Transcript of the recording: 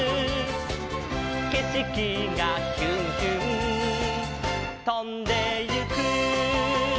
「けしきがヒュンヒュンとんでいく」